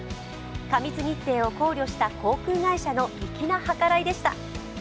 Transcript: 過密日程を考慮した航空会社の粋な計らいでした。